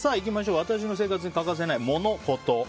私の生活に欠かせないモノ・コト。